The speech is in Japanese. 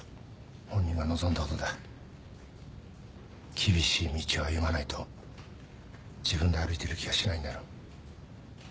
厳しい道を歩まないと自分で歩いてる気がしないんだろう。